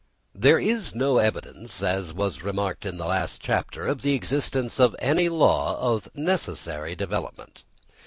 There is no evidence, as was remarked in the last chapter, of the existence of any law of necessary development.